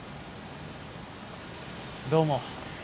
どうも。